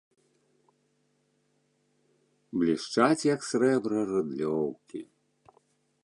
Блішчаць, як срэбра, рыдлёўкі.